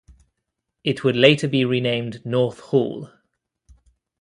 It would later be renamed North Hall.